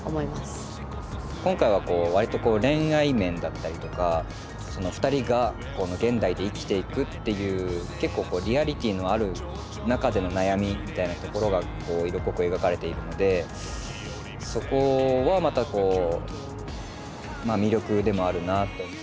今回はこう割と恋愛面だったりとかふたりが現代で生きていくっていう結構リアリティーのある中での悩みみたいなところが色濃く描かれているのでそこはまた魅力でもあるなあと。